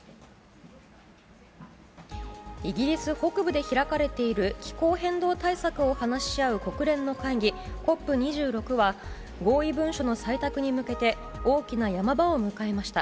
イギリス北部で開かれている気候変動対策を話し合う国連の会議、ＣＯＰ２６は合意文書の採択に向けて大きな山場を迎えました。